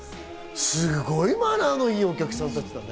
すごいマナーのいいお客さんだったね。